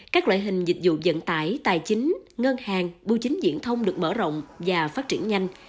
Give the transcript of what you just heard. các loại hình dịch vụ dẫn tải tài chính ngân hàng bưu chính diễn thông được mở rộng và phát triển nhanh